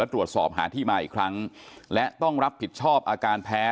ตรวจสอบหาที่มาอีกครั้งและต้องรับผิดชอบอาการแพ้